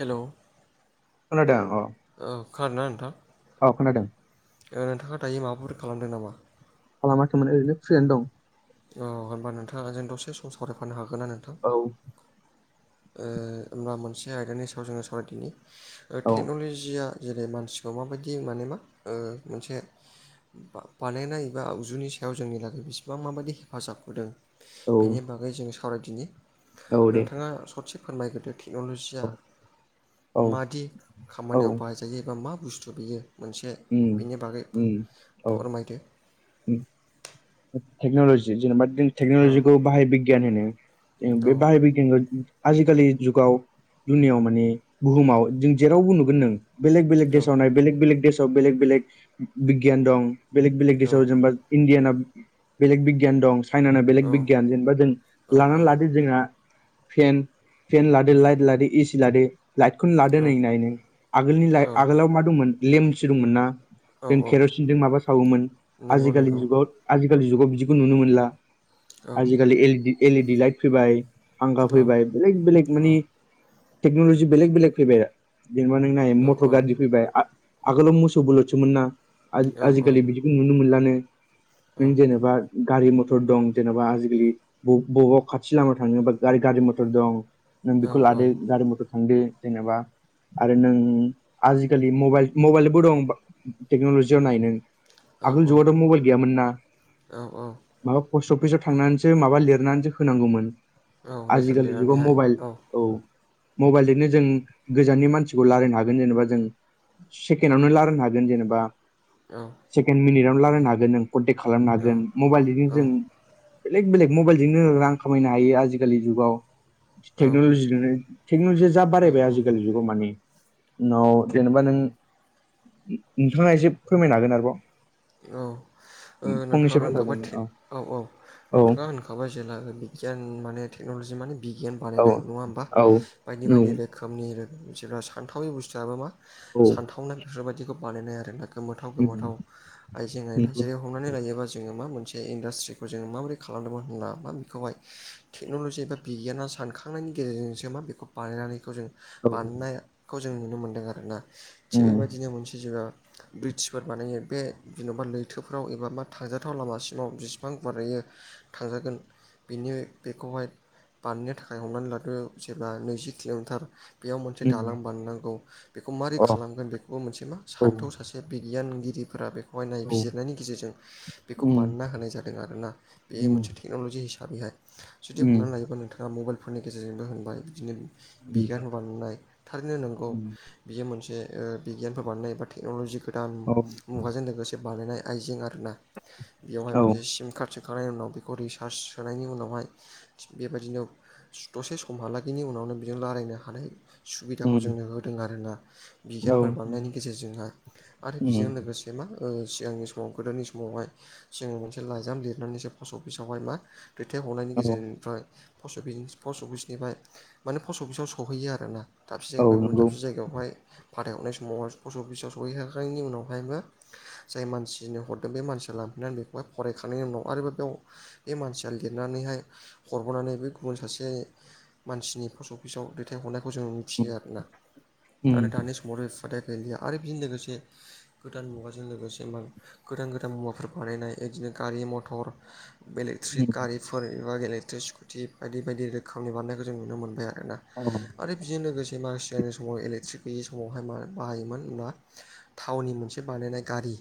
hello खोनादों अ औ खोनादोंना नोंथां औ खोनादों औ नोंथाङा दायो माबाफोर खालामदों नामा खालामाखैमोन ओरैनो फ्रियानो दं अ होनबा नोंथाङा आंजों दसे सम सावरायफानो हागोन ना नोंथां औ ओ ओमब्ला मोनसे आयदानि सायाव जोङो सावरायदिनि औ टेक्नल'जिया जेरै मानसिखौ माबायदि माने मा ओ मोनसे बानायनाय एबा आगजुनि सायाव जोंनि लागै बेसिबां माबायदि हेफाजाब होदों औ बेनि बागै जों सावरायदिनि औ दे नोंथाङा ससे फोरमायग्रोदो टेक्न'लजिया औ औ मादि औ खामानियाव बाहाय जायो एबा मा बुस्थु बियो मोनसे उम बेनि बागै उम औ उम फोरमायदो [inaudible] टेक्न'लजि जेनेबा जों औ टेक्न'लजिखौ बाहाय बिगियान होनो बे औ बाहाय जो आजिखालि जुगाव दुनियाव माने बुहुमाव जों जेरावबो नुगोन नों बेलेग बेलेग औ देशाव नाय बेलेग बेलेग देशाव बेलेग बेलेग बिगियान दं बेलेग बेलेग औ देशाव जेनबा इण्डियानाव बेलेग बिगियान दं चाइनाना औ बेलेग बिगियान जेनेबा जों लानानै लादो जोंना फेन फेन लादो लाइट लादो एसि लादो लाइटखौनो लादो नै नाय नों आगोलनि औ लाइ आगोलाव मा दंमोन लेम्पसो दंमोन ना औ जों औ केर'सिनजों माबा सावोमोन नंगौ नंगौ आजिखालिनि जुगाव आजिखालि जुगाव बिदिखौ नुनो मोनला औ आजिखालि L E D L E D light फैबाय फांखा औ फैबाय बेलेग बेलेग औ मानि टेक्नलजि बेलेग बेलेग फैबाय आरो जेनबा नों नै नाय औ मटर गारि फैबाय आगोलाव मोसौ बलतसोमोन ना औ आजि खालि बिदि नुनो मोनलानो नों जेनेबा गारि मटर दं जेनेबा आजिखालि ब बबावबा खाथि लामायाव थाङोबा गा गारि मटर दं नों बेखौ लादो गारि मटर थांदो जेनेबा आरो नों आजिखालि मबाइल मबाइलबो दं टेक्न'लजियाव नाय नों आगोल औ जुगावथ' मबाइल गैमोनना औ औ माबा पस्ट अफिसाव थांनानैसो माबा लिरनानैसो होनांगौमोन औ लेटार आजिखालि जुगाव लिरनानैहाय मबाइल औ मबाइलजोंनो जों गोजाननि मानसिखौ रायलायनो हागोन जेनेबा जों सेकेनावनो लारायनो हागोन जेनेबा औ सेकेण्ड मिनिट आवनो रायलायनो हागोन नों कन्टेक्ट खालामनो हागोन मबाइलजों जों बेलेग बेलेग मबाइलजोंनो रां खामायनो हायो आजिखालि जुगाव औ टेक्नलजिनो टेक्नलजिया जा औ बारायबाय औ आजिखालि जुगाव माने उनाव जेनेबा नों नोंथाङा एसे फोरमायनो हागोन आरोबाव औ नोंथाङा फंनैसो बाथ्रा होनखाबाय थे बुंनो औ औ औ नोंथाङा होनखा बाय जेला बिगियान माने टेकनलजि माने बिगियान औ बानायनाय नङा होमबा औ बायदि औ बायदि रो खोमनि जोंना सानथावि बुस्थुआबो मा औ सानथावना बेफोरबायाददिखौ बानायनाय आरोना गोमोथाव गोमोथाव नंगौ आइजें आइला जेरै हमनानै लायोबा जोङो मा मोनसे इन्डास्ट्रिखौ जोङो माबोरै खालामदोंमोन होनना मा बेखौहाय टेक्नलजि एबा बिगियाना सानखांनायनि गेजेरजोंसो मा बेखौ बानायनानै बेखौ जों औ उम बानायनायखौ जों नुनो मोनदों आरोना थिग बेबायदिनो मोनसे जुगा ब्रिटसफोर बानायो बे जेनबा लैथोफ्राव एबा मा थांजाथाव लामासिमाव बिसिबां गुवार लायो थांजागोन बिनि बेखौहाय बानायनो थाखाय हमनानै लादो जेब्ला नैजि किल'मिटार बेयाव मोनसे दालां बानाय नांगौ बेखौ उम अ मारै औ खालामगोन बेखौबो मोनसे मा औ उम सान्थौ सा सासे बिगियानगिरिफोरा बेखौहाय नायबिजिरनायनि गेजेरजों बेखौ बानायना होनाय जा दों आरोना बे उम मोनसे टेकनलजि हिसाबैहाय जुदि उम हमनानै लायोबा नोंथाङा मबाइल फोरनि गेजेरजोंबो होनबाय बिदिनो उम बिगियान बानायनाय थारैनो नंगौ बियो मोनसे बिगियानफोर बानायनाय बा टेक्नलजि गोदान औ मुगाजों लोगोसे बानायनाय आइजें आरोना बेयावहाय औ मोनसे सिम कार्ड खांनायनि उनाव बेखौ रिसार्च सोनायनि उनावहाय थिग बेबायदिनो दसे समहालागैनि उनावनो बिजों रायलायनो हानाय सुबिदाखौ उम जोंनो होदों आरोना औ बिगियानफोर बानायनायनि उम गेजेरजोंहा आरो बेजों लोगो से मा सिगांनि समाव गोदोनि समावहाय सिगाङाव मोनसे लाइजाम लिरनानैसो पस्ट अफिसावहाय मा दैथायहरनायनि औ गेजेरनिफ्राय पस्ट अफिस पस्ट अफिसनिफाय माने पस्ट अफिसाव सहैयो आरोना दाबसे औ जायगानिफ्राय गुबुन नंगौ दाबसे जायगायावहाय फाथायहरनाय समाव पस्टअफिसाव सहैखांनायनि उनावहायमा जाय मानसिनो हरदों बे मानसिया लांफैनानै बेखौहाय फरायखांनायनि उनाव आरोबाव बेयाव बे मानसिया लिरनानैहाय हरबोनानै बे गुबुन सासे मानसिनि पस्ट अफिसाव दैथाय हरनायखौ जों थियो उम आरोना आरो उम दानि समाव बि फादाया [unintelligible] गैलिया आरो बेजों लोगोसे गोदान मुवाजों लोगोसे मा गोदान गोदान मुवाफोर बानायनाय बिदिनो गारि मथर इलेकट्रिक उम गारिफोर एबा इलेकट्रिक स्कुटि बायदि बायदि रोखोमनि बानायनायखौ जों नुनो मोनबाय आरो ना औ आरो बेजों लोगोसे मा सिगांनि समाव इलेकट्रिक गैयि समावहाय मा बाहायोमोन होनब्ला थावनि मोनसे बानायनाय गारि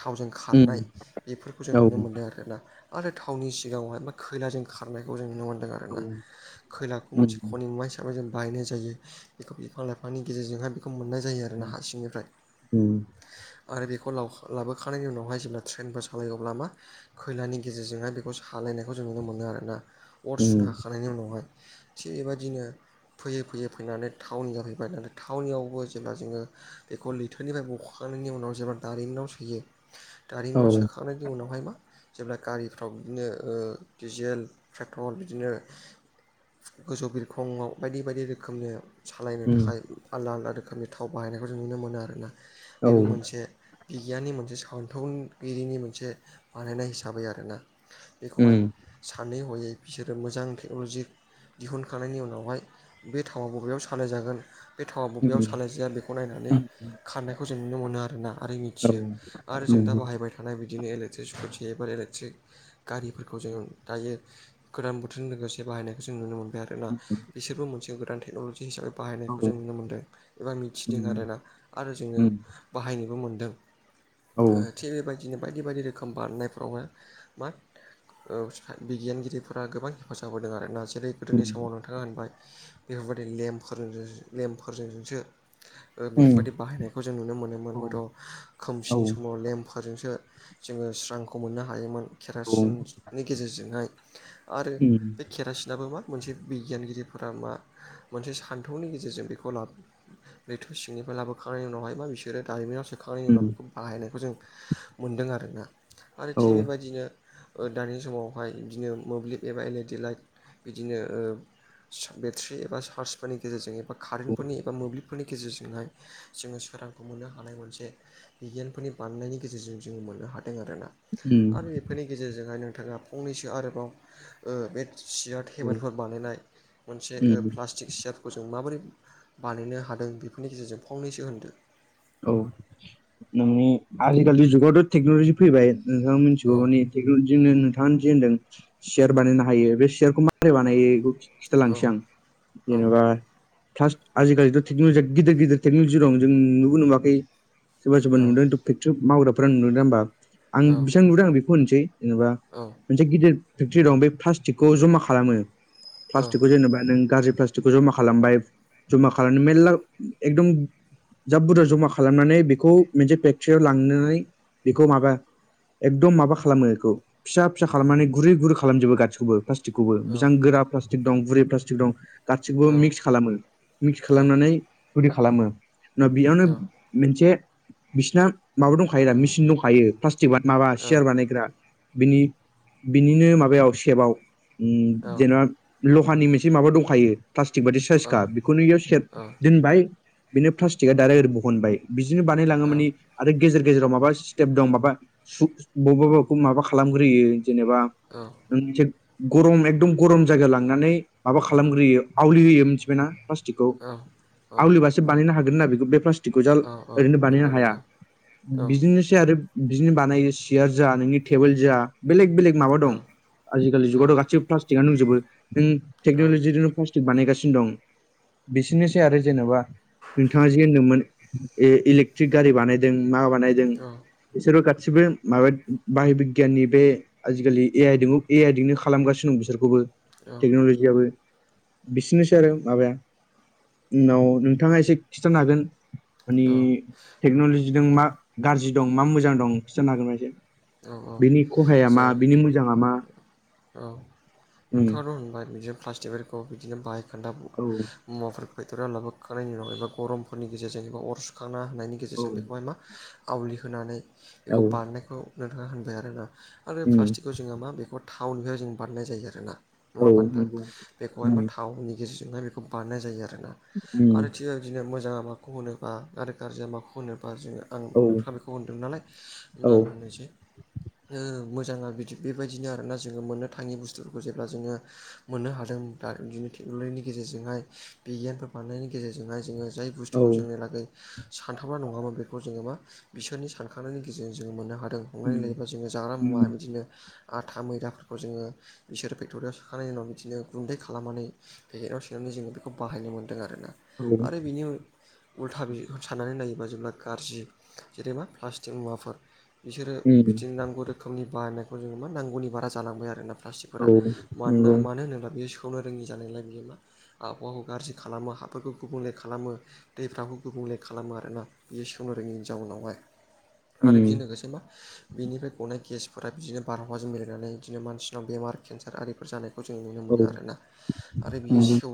थावजों खारनाय बेफोरखौ जों नुनो उम औ मोन्दों आरोना आरो थावनि सिगाङावहाय बा खैलाजों खारनायखौ जों नुनो मोनदों आरो ना औ खैलाखौ मोनसे नोंनि खनि मुवा हिसाबै जों बायनाय जायो बेखौ बिफां लाइफांनि गेजेरजोंहाय बेखौ मोननाय जायो आरो ना हा सिंनिफ्राय उम आरो बेखौ लाव लाबोखांनायनि उनावहाय जेब्ला ट्रेनखौ सालायो अब्ला मा खैलानि गेजेरजोंहाय बेखौ सालायनायखौ जों नुनो मोनो आरोना अर सुनो हाखांनायनायनि उनावहाय थिग बेबादिनो फैयै फैयै फैनानै थावनि जाहैबाय दाना थावनियावबो जेब्ला जोङो बे बेखौ लैथोनिफ्राय बोखांनायनि उनाव जेब्ला दारिमिनाव सोयो दारिमिनाव सोखांनायनि उनावहाय मा जेब्ला गारिफ्राव बिदिनो डिजेल पेट्रल बिदिनो गोजौ बिरखंआव बायदि बायदि रोखोमनि सालायनो थाखाय आलदा आलदा रोखोमनि थाव बाहायनायखौ जों नुनो मोनो आरोना बेबो मोनसे बिगियाननि मोनसे सानथौगिरिनि मोनसे बानायनाय हिसाबै आरोना बेखौहाय सानै हयै बिसोरो मोजां टेक्न'लजि दिहुनखांनायनि उनावहाय बे थावा बबेयाव सालाय जागोन बे थावा बबेयाव सालायजाया बेखौ नायनानै खारनायखौ जों नुनो मोनो आरोना आरो मिथियो आरो जों दा बाहायबाय थानाय बिदिनो इलेक्ट्रिक स्कुटि एबा इलेक्ट्रिक गारिफोरखौ जों दायो गोदान बोथोरजों लोगोसे बाहायनायखौ जों नुनो मोनबाय आरो मा बिसोरबो मोनसे गोदान टेक्न'लजि हिसाबै बाहायनायखौ जों नुनो मोन्दों एबा मिथिदों आरो ना आरो जोङो बाहायनोबो मोनदों थिग बेबायदिनो बायदि बायदि रोखोम बारनायफ्राव हाय मा बिगियानगिरिफोरा गोबां हेफाजाब होदों आरो ना जेरै गोदोनि समाव नोंथाङा होनबाय बेफोरबायदि लेम्पफोरजों लेम्पफोरजों जोंसो बेफोरबायदि बाहायनायखौ जों नुनो मोनोमोन हयथ' खोमसिनि समाव लेम्पफोरजोंसो जोङो स्रांखौ मोननो हायोमोन केरासिन नि गेजेरजोंहाय आरो केरासिनाबो मा मोनसे बिगियानगिरिफोरा मा मोनसे सान्थौनि गेजेरजों बेखौ लाबोयो लैथो सिंनिफ्राय लाबोखांनायनि उनावहाय मा बिसोरो दारिमिनाव सो खांनायनि उनाव बेखौ बाहायनायखौ जों मोन्दों आरोना आरो थिग बेबायदिनो दानि समावहाय बिदिनो मोब्लिब एबा एलइडि लाइट बिदिनो ओ बेट्रि एबा चार्जफोरनि गेजेरजों एबा कारेन्टफोरनि एबा मोब्लिबफोरनि गेजेरजोंहाय जोङो सोरांखौ मोननो हानाय मोनसे बिगियानफोरनि बानायनायनि गेजेरजों जों मोननो हादों आरोना आरो बे बेनि गेजेरजोंहाय नोंथाङा फंनैसो आरोबाव बे सियार टेबोल फोर बानायनाय मोनसे प्ला प्लाटिक सियारखौ जों माबोरै बानायनो हादों बेफोरनि गेजेरजों फंनैसो होनदों औ नोंनि आजिखालिनि जुगावथ' टेक्न'लजि फैबाय नोंथां मिथिगौ औ माने टेकनलजिनो नोंथां जे होनदों सियार बानायनो हायो बे सियारखौ मा बोरै बानायखौ औ खिथालांसै आं औ जेनेबा फार्स्ट आजिखालिथ' टेक्न'लजिया गिदिर गिदिर टेक्न'लजि दं जों नुबो नुवाखै [unintelligible] सोरबा सोरबा औ नुदों फेक्टरि मावग्राफोरा नुदों दां होमबा आं औ बेसेबां नुदों आं बेखौ होननोसै जेनेबा [unintelligible] औ मोनसे गिदिर फेक्ट्रि दं बे प्लास्टिकखौ जमा खालामो औ प्लास्टिकखौ जेनेबा नों गाज्रि प्लास्टि टिकखौ जमा खालामबाय जमा खालामनो मेर्ला एकदम जा बुरजा जमा खालामनानै बेखौ मोनसे फेक्ट्रियाव लांनानै बेखौ माबा एकदम माबा खालामो बेखौ फिसा फिसा खालामनानै गुरै गुरै खालामजोबो गासिखौबो प्लास टिकखौबो औ बेसेबां गोरा प्लास्टिक दं बुरै प्लास्टिक दं गासिखौबो मिक्स खालामो मिक्स खालामनानै गुरै खालामो उनाव बेयावनो मोनसे बिसिना माबा दंखायो दा मेसिन दंखायो प्लास्टिक माबा सियार बानायग्रा बिनि बिनिनो माबायाव सेबआव उम जेनेबा लहानि मोनसे माबा दंखायो प्लास्टिक बादि साइसखा बेखौनो इयो सेब दोनबाय बेनो प्लास्टिकआ दारेक्ट ओरै बहनबाय बिदिनो बानायलाङो मानि आरो गेजेर गेजेराव माबा सिसटेम दं माबा सु बबेबा बबेबाखौ माबा खालामग्रोयो जेनेबा औ से [unintelligible] गरम एकदम गरम जायगा लांनानै माबा खालामग्रोयो आवलि होयो मिथिबायना प्लास्टिकखौ औ आवलिबासो बानायनो हागोन ना बेखौ बे प्लास टिक जान औ ओरैनो बानायनो नंगौ हाया नंगौ औ बिदिनो सै आरो बिदिनो बानाय चियार जा नोंनि टेबोल जा बेलेक बेलेग माबा दं औ आजिलि औ जुगावथ' गासिबो प्लास्टिकआ दंजोबो नों औ टेन'लजि प्लास टिक बानायगासिनो दं बिसोरनोसै आरो जेनेबा बिथाङा जि होनदोंमोन ए इलेक्ट्रिक गारि बानायदों मा बानायदों औ बिसोरबो गासिबो माबा बाहि बिगियाननि बे आजिखालि ए आइदों ए आइदोंनो खालामगासिनो दं बिसोरखौबो टेकनल' जियाबो बिसिनोसै आरो माबाया उनाव नोंथाङा एसे खिथानो हागोन मानि टेक्न'ल'जिजों मा गाज्रि दं मा मोजां दं खिथानो हागोन बा एसे औ औ बिनि खहाया जा मा बिनि मोजाङा मा औ उम नोंथाङाथ' होनबाय बिदिनो प्लास्टिकफोरखौ बिदिनो बाहाय खोन्दा औ मुवाफोरखौ फेक्टरियाव लाबोखांनायनि उनाव एबा गरमफोरनि गेजेरजों एबा अर सुखांना होननि औ गेजेरजों बेखौहाय मा आवलि होनानै औ बेखौ बारनायखौ नोंथाङा होनबाय आरोना आरो उम प्लास्टिकखौ जोङो मा बेखौ थावनिफ्राय जों बानानाय जायो आरोना नङा औ होनबा नोंथां नंगौ बेखौहाय उम मा थावनि गेजेरजोंहाय बेखौ बानायनाय जायो आरो ना उम आरो थि बिदिनो मोजाङा माखौ होनो बा गाज्रि आरो गाज्रिया माखौ होनोबा जोङो आं औ नोंथाङा बेखौ होनदोंमोन नालाय होनोमब्ला औ आं होननोसै ओ मोजाङा बिदि बेबायदिनो आरोना जोङो मोननो थाङि बुस्थुफोरखौ जेब्ला जोङो मोननो हादों दा बिदिनो टेक्न'लजिनि गेजेरजोंहाय बिगियानफोर बानायनायनि गेजेरजोंहाय जोङो जाय औ बुस्थुखौ जोंनि लागै सानथावना नङामोन बेखौ जोङो मा बिसोरनि सानखांनायनि गेजेरजों जोङो मोननो हादों [unintelligible] उम जोङो जाग्रा मुवा उम बिदिनो आथा मैदाफोरखौ जोङो बिसोर फेक्ट'रियाव सोखांनायनायनि उनाव बिदिनो गुन्दै खालामनानै फेकेटाव सोनानै जोङो बेखौ बाहायनो मोन्दों आरोना औ आरो बेनि उल्था बि [unintelligible] साननानै नायोबा जेब्ला गाज्रि जेनेबा प्लास्टिक मुवाफोर बिसोरो उम बिदिनो नांगौ रो खोमनि बाहानायनायखौ जों मा नांगौनि बारा जालांबाय आरोना औ प्लास्टिकफोरा मानोना नंगौ मानो होनोबा बे सेव [unintelligible] नो रोङि जानायलाय बियो मा आबहावाखौ गाज्रि खालामो हाफोरखौ गुबुंले खालामो दैफ्राबो गुबुंले खालामो आरोना बियो सेवनो रोङैनि जाउनावहाय आरो उम बेजों लोगोसे मा बिनिफ्राय गनाय गेसफोरा बिदिनो बारहावाजों मिलायनानै बिदिनो मानसिनाव बेमार केन्सार आरिफोर जानाय खौ जों नुनो औ मोनो आरोना आरो बियो नंगौ सेव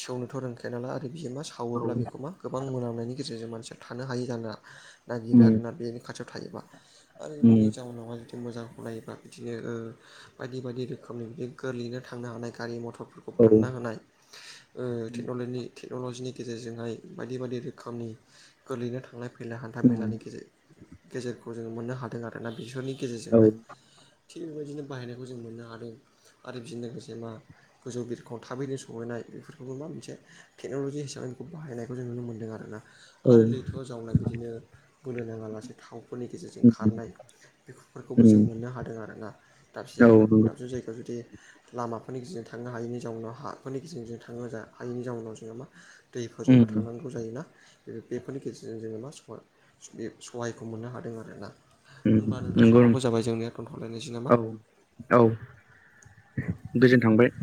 सेवनोथ' रोंखाया नालाय आरो बियो मा सा वोब्ला बेखौ मा गोबां मोनामनायनि गेजेरजों मानसिया थानो हायि जोनो नागिरो उम आरोना बेनि खाथियाव थायोबा आरो बेनि उम जाउनाव हाय मोजांखौ नायोबा बिदिनो ओ बायदि बायदि रोखोमनि बिदिनो गोरलैयैनो थांनो हानाय गारि मथरफोर खौ औ बानायना होनाय ओ टेक्न'लजिनि टेक्न'लजिनि गेजेरजोंहाय बायदि बायदि रोखोमनि गोलैनो थांनाय फै मेला हान्था उम मेलानि गेजेर गेजेरखौ जों मोननो हादों आरो ना बिसोरनि औ गेजेरजोंहाय थिग बेबायदिनो बाहायनायखौ जों मोननो हादों आरो बेजों लोगोसे मा गोजौ बिरखं थाबैनो सहैनाय बेफोरखौबो मा मोनसे टेक्न'लजि हिसाबै बेखौ बाहायनाय खौ जों नुनो मोनदों आरोना औ आरो लैथोआव जावनाय बिदिनो बोलो नाङा लासे थावफोरनि गेजेरजों उम खारनाय बेफोरखौबो जों उम मोननो हादों आरोना दाबसे औ नंगौ जायगानिफ्राय दाबसे जायगायाव जुदि लामाफोरनि गेजेरजों थांनो हायैनि जाउनाव हाफोरनि गेजेरजों थांनो हायैनि जाउनाव जोङो मा दैफोरजोंबो उम थांनां गौ जायोना बेफोरनि गेजेरजों जोङो मा सहायखौ मोननो हादों आरो ना उम होनबा नोंथां नंगौ नों- समावबो जाबाय जोंनिया थोनथ'लायनोसै नामा औ औ गोजोन थांबाय